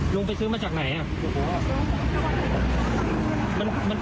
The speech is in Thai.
ลุงไปซื้อมาจากไหน